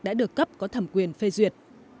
đã được cấp có thẩm quyền phê duyệt